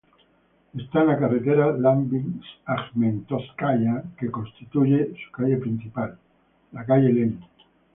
Está en la carretera Labinsk-Ajmetovskaya, que constituye su calle principal, la calle Lenin.